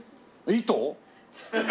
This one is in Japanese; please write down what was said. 『糸』？